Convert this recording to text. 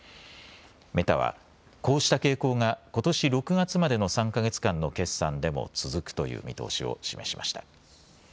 メタはこうした傾向がことし６月までの３か月間の決算でも続くという見通しを示しました。